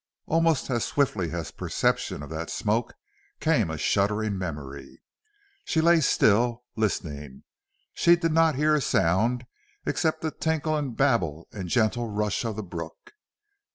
Almost as swiftly as perception of that smoke came a shuddering memory. She lay still, listening. She did not hear a sound except the tinkle and babble and gentle rush of the brook.